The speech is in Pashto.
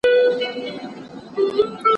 دا ږغ له هغه ښه دی؟!